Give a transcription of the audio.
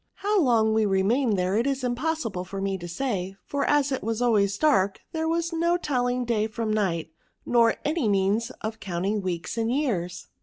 How long we remained there it is impossible for me to say ; for as it was always dark, there was no telling day from night, nor any means of counting weeks and years.